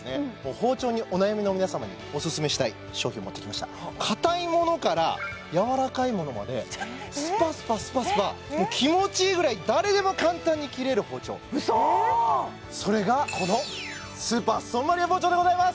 包丁にお悩みの皆様にオススメしたい商品を持ってきました硬いものからやわらかいものまでスパスパスパスパ気持ちいいぐらい誰でも簡単に切れる包丁それがこのスーパーストーンバリア包丁でございます！